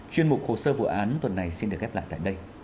chuyên mục hồ sơ vụ án tuần này xin được khép lại tại đây